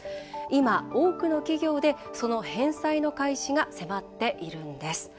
今、多くの企業でその返済の開始が迫っているんです。